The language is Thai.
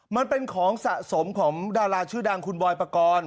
มันเป็นของสะสมของดาราชื่อดังคุณบอยปกรณ์